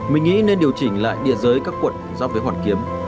mình nghĩ nên điều chỉnh lại địa giới các quận giao về hoàn kiếm